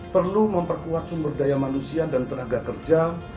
perlu memperkuat sumber daya manusia dan tenaga kerja